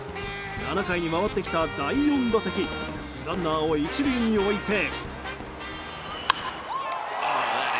７回に回ってきた第４打席ランナーを１塁に置いて。